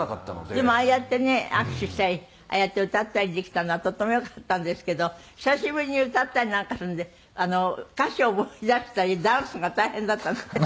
でもああやってね握手したりああやって歌ったりできたのはとてもよかったんですけど久しぶりに歌ったりなんかするので歌詞を思い出したりダンスが大変だったんですって？